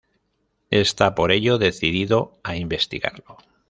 Está por ello decidido a investigarlo.